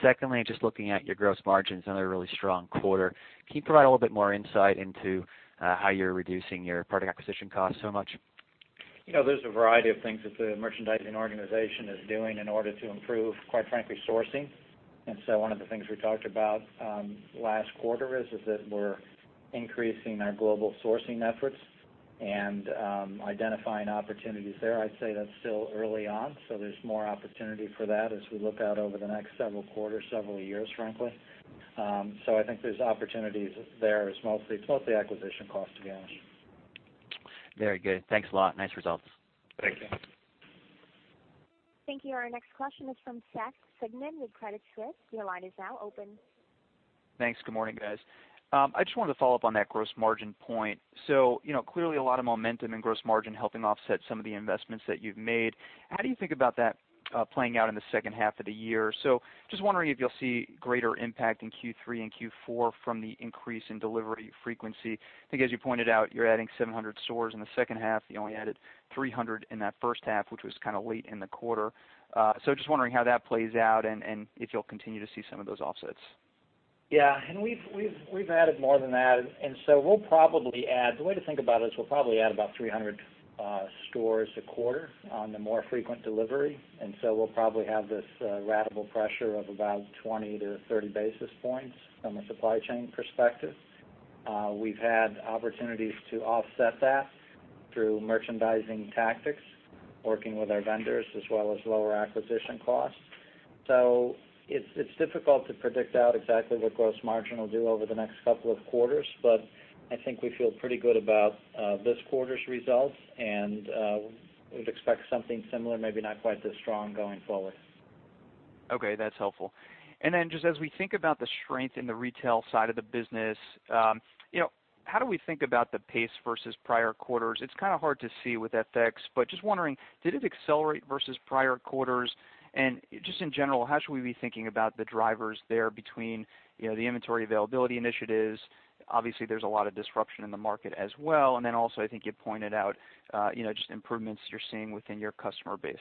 Secondly, just looking at your gross margins, another really strong quarter. Can you provide a little bit more insight into how you're reducing your product acquisition cost so much? There's a variety of things that the merchandising organization is doing in order to improve, quite frankly, sourcing. One of the things we talked about last quarter is that we're increasing our global sourcing efforts and identifying opportunities there. I'd say that's still early on, there's more opportunity for that as we look out over the next several quarters, several years, frankly. I think there's opportunities there. It's mostly acquisition cost, to be honest. Very good. Thanks a lot. Nice results. Thank you. Thank you. Our next question is from Seth Sigman with Credit Suisse. Your line is now open. Thanks. Good morning, guys. I just wanted to follow up on that gross margin point. Clearly a lot of momentum in gross margin helping offset some of the investments that you've made. How do you think about that playing out in the second half of the year? Just wondering if you'll see greater impact in Q3 and Q4 from the increase in delivery frequency. I think as you pointed out, you're adding 700 stores in the second half. You only added 300 in that first half, which was kind of late in the quarter. Just wondering how that plays out and if you'll continue to see some of those offsets. Yeah. We've added more than that. The way to think about it is we'll probably add about 300 stores a quarter on the more frequent delivery. We'll probably have this ratable pressure of about 20 to 30 basis points from a supply chain perspective. We've had opportunities to offset that through merchandising tactics, working with our vendors, as well as lower acquisition costs. It's difficult to predict out exactly what gross margin will do over the next couple of quarters. I think we feel pretty good about this quarter's results, and we'd expect something similar, maybe not quite as strong going forward. Okay, that's helpful. Just as we think about the strength in the retail side of the business, how do we think about the pace versus prior quarters? It's kind of hard to see with FX, but just wondering, did it accelerate versus prior quarters? Just in general, how should we be thinking about the drivers there between the inventory availability initiatives, obviously there's a lot of disruption in the market as well, and then also I think you pointed out just improvements you're seeing within your customer base.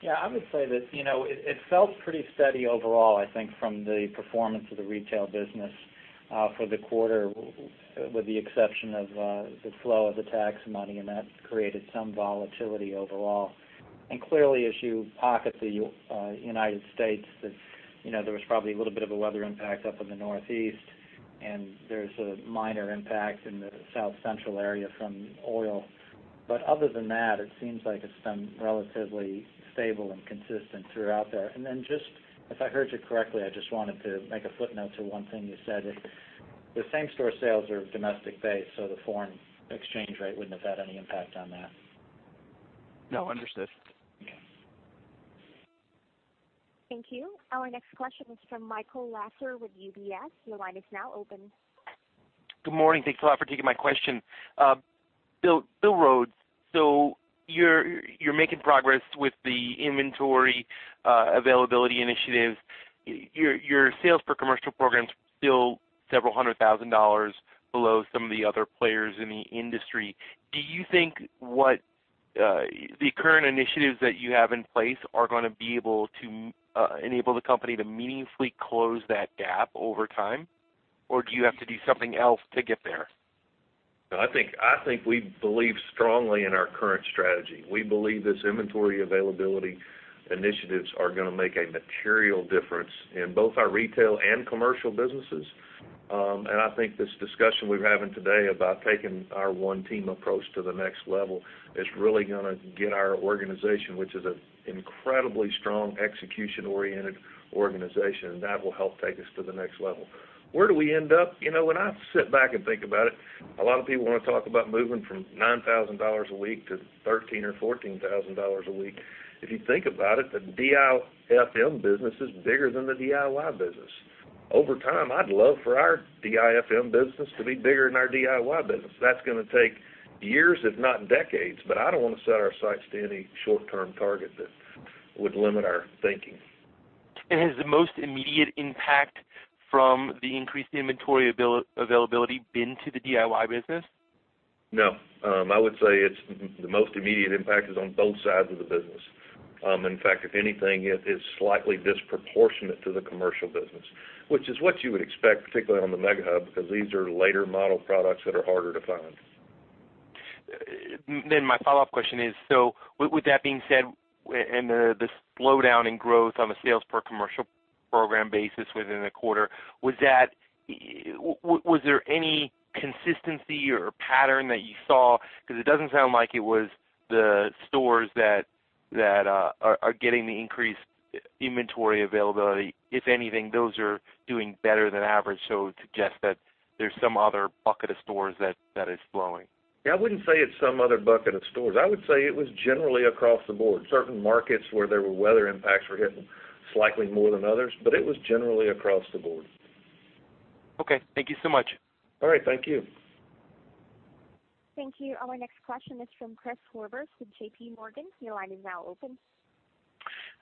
Yeah, I would say that it felt pretty steady overall, I think from the performance of the retail business for the quarter with the exception of the flow of the tax money and that created some volatility overall. Clearly as you pocket the United States, there was probably a little bit of a weather impact up in the Northeast and there's a minor impact in the South Central area from oil. Other than that, it seems like it's been relatively stable and consistent throughout there. Just if I heard you correctly, I just wanted to make a footnote to one thing you said. The same-store sales are domestic based, so the foreign exchange rate wouldn't have had any impact on that. No, understood. Okay. Thank you. Our next question is from Michael Lasser with UBS. Your line is now open. Good morning. Thanks a lot for taking my question. Bill Rhodes, you're making progress with the Inventory Availability Initiatives. Your sales per commercial program's still several hundred thousand dollars below some of the other players in the industry. Do you think the current initiatives that you have in place are going to be able to enable the company to meaningfully close that gap over time? Do you have to do something else to get there? I think we believe strongly in our current strategy. We believe these Inventory Availability Initiatives are going to make a material difference in both our retail and commercial businesses. I think this discussion we're having today about taking our One Team approach to the next level is really going to get our organization, which is an incredibly strong execution-oriented organization, and that will help take us to the next level. Where do we end up? When I sit back and think about it, a lot of people want to talk about moving from $9,000 a week to $13,000 or $14,000 a week. If you think about it, the DIFM business is bigger than the DIY business. Over time, I'd love for our DIFM business to be bigger than our DIY business. That's going to take years, if not decades, but I don't want to set our sights to any short-term target that would limit our thinking. Has the most immediate impact from the increased Inventory Availability been to the DIY business? No. I would say the most immediate impact is on both sides of the business. In fact, if anything, it is slightly disproportionate to the commercial business, which is what you would expect, particularly on the Mega Hub because these are later model products that are harder to find. My follow-up question is, so with that being said and the slowdown in growth on the sales per commercial program basis within the quarter, was there any consistency or pattern that you saw? Because it doesn't sound like it was the stores that are getting the increased inventory availability. If anything, those are doing better than average, so it would suggest that there's some other bucket of stores that is slowing. Yeah, I wouldn't say it's some other bucket of stores. I would say it was generally across the board. Certain markets where there were weather impacts were hit slightly more than others, but it was generally across the board. Okay. Thank you so much. All right. Thank you. Thank you. Our next question is from Christopher Horvers with JP Morgan. Your line is now open.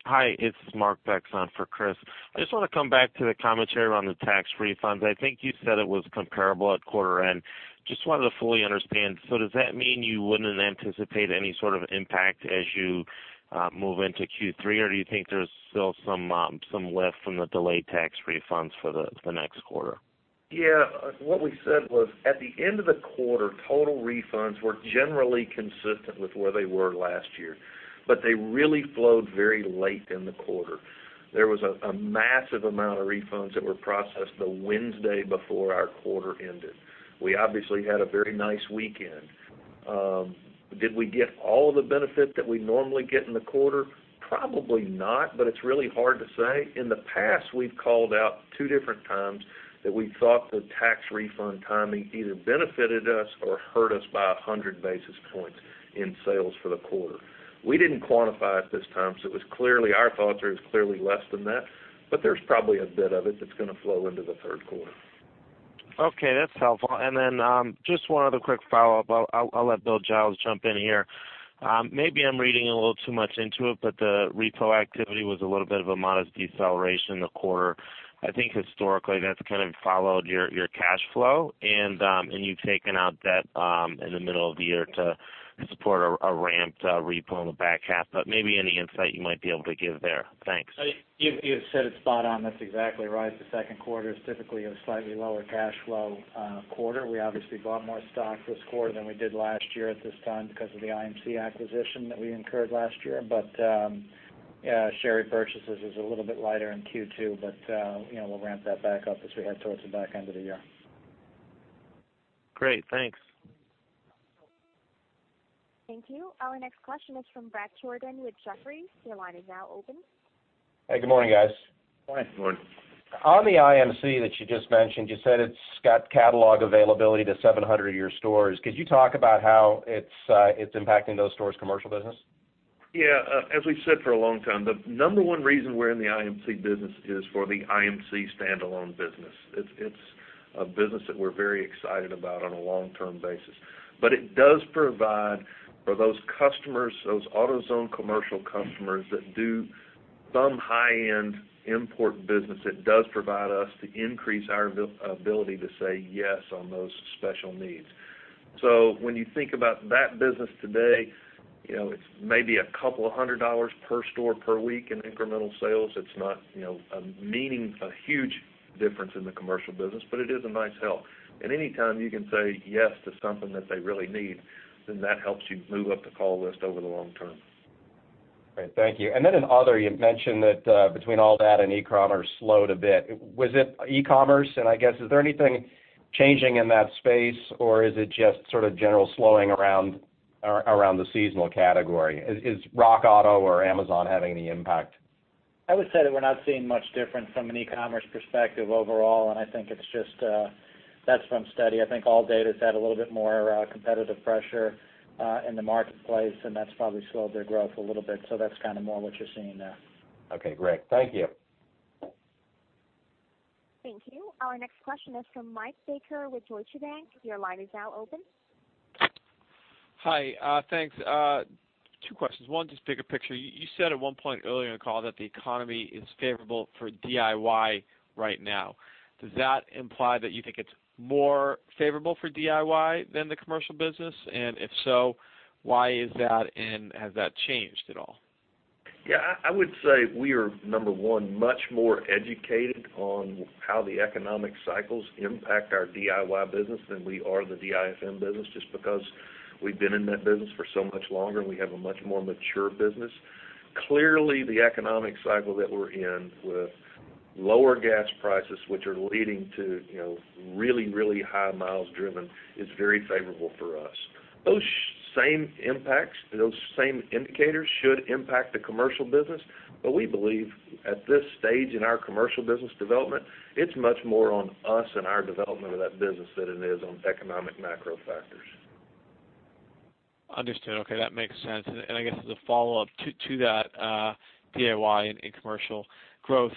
Hi, it's Mark Becks for Chris. I just want to come back to the commentary around the tax refunds. I think you said it was comparable at quarter end. Just wanted to fully understand. Does that mean you wouldn't anticipate any sort of impact as you move into Q3 or do you think there's still some lift from the delayed tax refunds for the next quarter? Yeah. What we said was at the end of the quarter, total refunds were generally consistent with where they were last year. They really flowed very late in the quarter. There was a massive amount of refunds that were processed the Wednesday before our quarter ended. We obviously had a very nice weekend. Did we get all the benefit that we normally get in the quarter? Probably not, but it's really hard to say. In the past, we've called out two different times that we thought the tax refund timing either benefited us or hurt us by 100 basis points in sales for the quarter. We didn't quantify it this time, our thoughts are it's clearly less than that, but there's probably a bit of it that's going to flow into the third quarter. Okay, that's helpful. Just one other quick follow-up. I'll let Bill Giles jump in here. Maybe I'm reading a little too much into it, but the repo activity was a little bit of a modest deceleration in the quarter. I think historically that's kind of followed your cash flow and you've taken out debt in the middle of the year to support a ramped repo in the back half. Maybe any insight you might be able to give there. Thanks. You've said it spot on. That's exactly right. The second quarter is typically a slightly lower cash flow quarter. We obviously bought more stock this quarter than we did last year at this time because of the IMC acquisition that we incurred last year. Share repurchases is a little bit lighter in Q2, but we'll ramp that back up as we head towards the back end of the year. Great. Thanks. Thank you. Our next question is from Bret Jordan with Jefferies. Your line is now open. Hey, good morning, guys. Good morning. Good morning. On the IMC that you just mentioned, you said it's got catalog availability to 700 of your stores. Could you talk about how it's impacting those stores' commercial business? Yeah. As we've said for a long time, the number one reason we're in the IMC business is for the IMC standalone business. It's a business that we're very excited about on a long-term basis. But it does provide for those AutoZone commercial customers that do some high-end import business, it does provide us to increase our ability to say yes on those special needs. When you think about that business today, it's maybe $200 per store per week in incremental sales. It's not a huge difference in the commercial business, but it is a nice help. And any time you can say yes to something that they really need, then that helps you move up the call list over the long term. Great. Thank you. Then in other, you mentioned that between ALLDATA and e-commerce slowed a bit. Was it e-commerce? I guess, is there anything changing in that space or is it just sort of general slowing around the seasonal category? Is RockAuto or Amazon having any impact? I would say that we're not seeing much difference from an e-commerce perspective overall, and I think that's been steady. I think ALLDATA has had a little bit more competitive pressure in the marketplace, and that's probably slowed their growth a little bit. That's kind of more what you're seeing there. Okay, great. Thank you. Thank you. Our next question is from Michael Baker with Deutsche Bank. Your line is now open. Hi. Thanks. Two questions. One, just bigger picture. You said at one point earlier in the call that the economy is favorable for DIY right now. Does that imply that you think it's more favorable for DIY than the commercial business? If so, why is that, and has that changed at all? Yeah, I would say we are, number one, much more educated on how the economic cycles impact our DIY business than we are the DIFM business, just because we've been in that business for so much longer and we have a much more mature business. Clearly, the economic cycle that we're in with lower gas prices, which are leading to really high miles driven, is very favorable for us. Those same impacts, those same indicators should impact the commercial business. We believe at this stage in our commercial business development, it's much more on us and our development of that business than it is on economic macro factors. Understood. Okay. That makes sense. I guess as a follow-up to that DIY and commercial growth,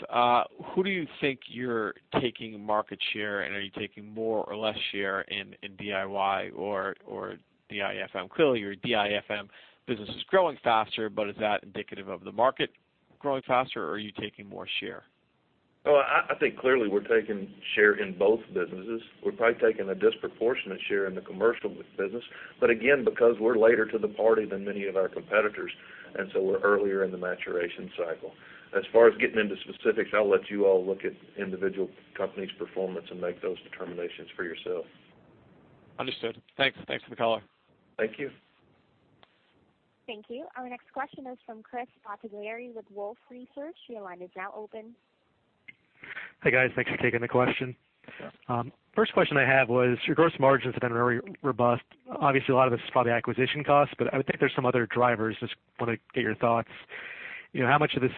who do you think you're taking market share, and are you taking more or less share in DIY or DIFM? Clearly, your DIFM business is growing faster, is that indicative of the market growing faster, or are you taking more share? Well, I think clearly we're taking share in both businesses. We're probably taking a disproportionate share in the commercial business. Again, because we're later to the party than many of our competitors, we're earlier in the maturation cycle. As far as getting into specifics, I'll let you all look at individual companies' performance and make those determinations for yourself. Understood. Thanks for the color. Thank you. Thank you. Our next question is from Chris Battaglini with Wolfe Research. Your line is now open. Hey, guys. Thanks for taking the question. First question I have was, your gross margins have been very robust. Obviously, a lot of this is probably acquisition costs, but I would think there's some other drivers. Just want to get your thoughts. How much of this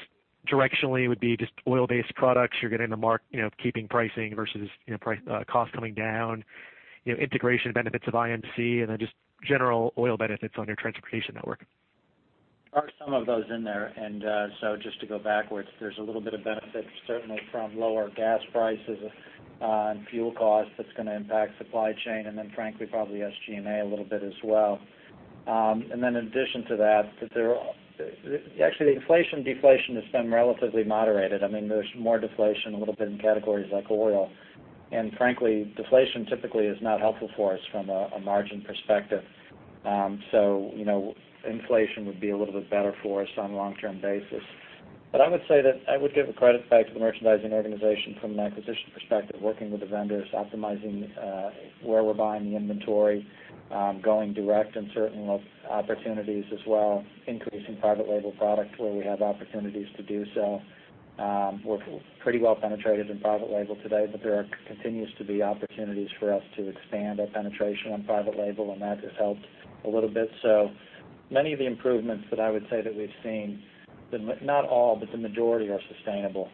directionally would be just oil-based products you're getting to mark, keeping pricing versus cost coming down, integration benefits of IMC, and then just general oil benefits on your transportation network? There are some of those in there. Just to go backwards, there's a little bit of benefit certainly from lower gas prices and fuel costs that's going to impact supply chain, and then frankly, probably SG&A a little bit as well. In addition to that, actually the inflation deflation has been relatively moderated. There's more deflation a little bit in categories like oil. Frankly, deflation typically is not helpful for us from a margin perspective. Inflation would be a little bit better for us on a long-term basis. I would say that I would give the credit back to the merchandising organization from an acquisition perspective, working with the vendors, optimizing where we're buying the inventory going direct and certain opportunities as well, increasing private label product where we have opportunities to do so. We're pretty well penetrated in private label today, but there continues to be opportunities for us to expand our penetration on private label, and that has helped a little bit. Many of the improvements that I would say that we've seen, not all, but the majority are sustainable.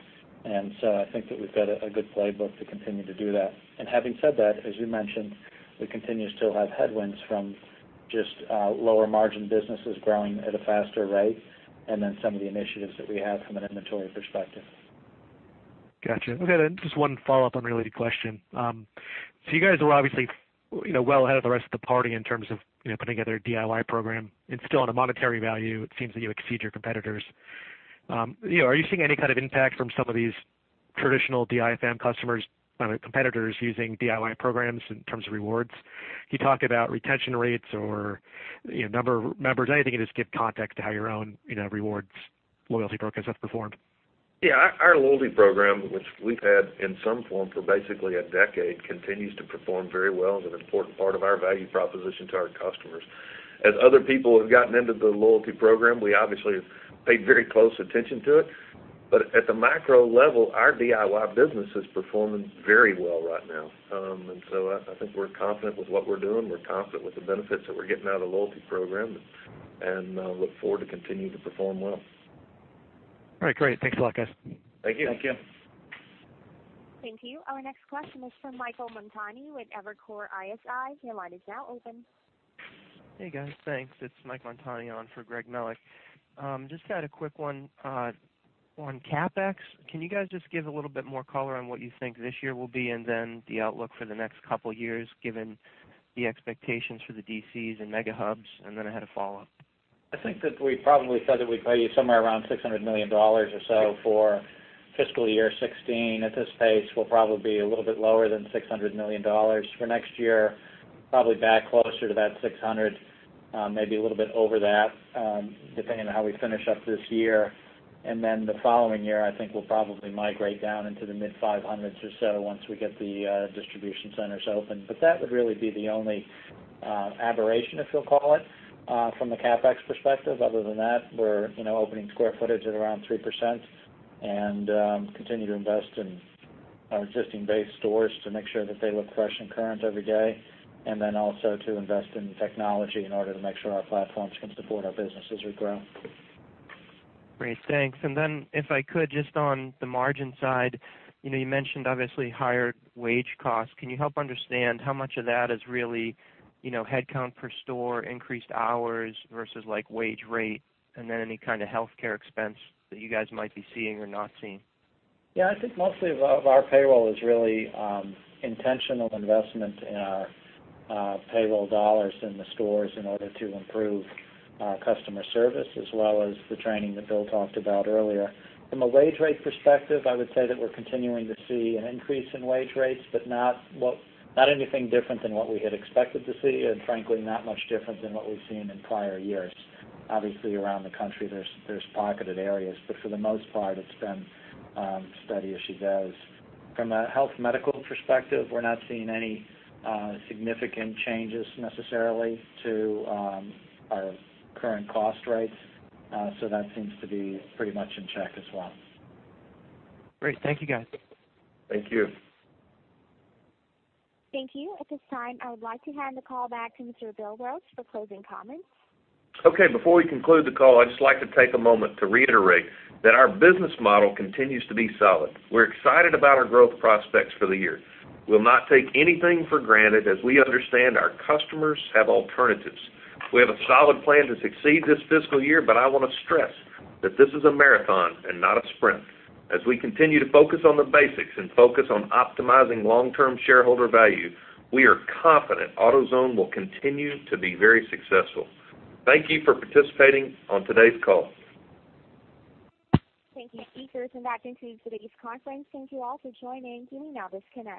I think that we've got a good playbook to continue to do that. Having said that, as you mentioned, we continue to have headwinds from just lower margin businesses growing at a faster rate and then some of the initiatives that we have from an inventory perspective. Got you. Okay, just one follow-up unrelated question. You guys are obviously well ahead of the rest of the party in terms of putting together a DIY program. Still on a monetary value, it seems that you exceed your competitors. Are you seeing any kind of impact from some of these traditional DIFM competitors using DIY programs in terms of rewards? Can you talk about retention rates or number of members, anything that just give context to how your own rewards loyalty program has performed? Yeah. Our loyalty program, which we've had in some form for basically a decade, continues to perform very well as an important part of our value proposition to our customers. As other people have gotten into the loyalty program, we obviously have paid very close attention to it. At the micro level, our DIY business is performing very well right now. I think we're confident with what we're doing. We're confident with the benefits that we're getting out of the loyalty program and look forward to continue to perform well. All right, great. Thanks a lot, guys. Thank you. Thank you. Our next question is from Michael Montani with Evercore ISI. Your line is now open. Hey, guys. Thanks. It's Michael Montani on for Greg Melich. Just had a quick one on CapEx. Can you guys just give a little bit more color on what you think this year will be and then the outlook for the next couple of years, given the expectations for the DCs and Mega Hubs? I had a follow-up. I think that we probably said that we'd tell you somewhere around $600 million or so for fiscal year 2016. At this pace, we'll probably be a little bit lower than $600 million. For next year, probably back closer to that $600, maybe a little bit over that, depending on how we finish up this year. The following year, I think we'll probably migrate down into the mid-$500s or so once we get the distribution centers open. That would really be the only aberration, if you'll call it, from the CapEx perspective. Other than that, we're opening square footage at around 3% and continue to invest in our existing base stores to make sure that they look fresh and current every day, and then also to invest in technology in order to make sure our platforms can support our business as we grow. Great, thanks. If I could, just on the margin side, you mentioned obviously higher wage costs. Can you help understand how much of that is really headcount per store, increased hours versus wage rate? Any kind of healthcare expense that you guys might be seeing or not seeing? Yeah, I think mostly of our payroll is really intentional investment in our payroll dollars in the stores in order to improve our customer service, as well as the training that Bill talked about earlier. From a wage rate perspective, I would say that we're continuing to see an increase in wage rates, but not anything different than what we had expected to see, and frankly, not much different than what we've seen in prior years. Obviously, around the country, there's pocketed areas, but for the most part, it's been steady as she goes. From a health medical perspective, we're not seeing any significant changes necessarily to our current cost rates. That seems to be pretty much in check as well. Great. Thank you, guys. Thank you. Thank you. At this time, I would like to hand the call back to Mr. Bill Rhodes for closing comments. Okay. Before we conclude the call, I'd just like to take a moment to reiterate that our business model continues to be solid. We're excited about our growth prospects for the year. We'll not take anything for granted as we understand our customers have alternatives. We have a solid plan to succeed this fiscal year, but I want to stress that this is a marathon and not a sprint. As we continue to focus on the basics and focus on optimizing long-term shareholder value, we are confident AutoZone will continue to be very successful. Thank you for participating on today's call. Thank you, speakers. That concludes today's conference. Thank you all for joining. You may now disconnect.